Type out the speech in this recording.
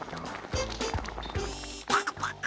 パクパク。